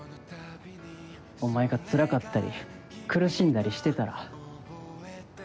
お前がつらかったり苦しんだりしてたら。